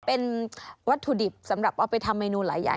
เป็นวัตถุดิบสำหรับเอาไปทำเมนูหลายอย่าง